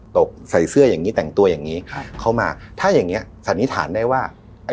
ตกใส่เสื้ออย่างงี้แต่งตัวอย่างนี้ครับเข้ามาถ้าอย่างเงี้สันนิษฐานได้ว่าไอ้